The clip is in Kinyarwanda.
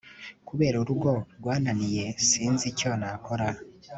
kubera urugo rwananiye sinzi icyo nakora